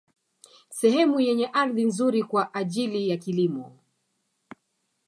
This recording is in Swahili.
Sehemu yenye ardhi nzuri kwa ajili ya kilimo